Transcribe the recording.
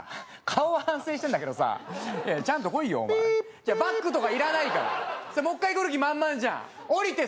顔は反省してんだけどさちゃんとこいよお前ピーピーピーバックとかいらないからそれもう一回くる気満々じゃん降りて